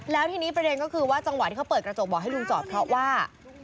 แล้วทีนี้ประเด็นก็คือว่าจังหวะที่เขาเปิดกระจกบอกให้ลุงจอดเพราะว่า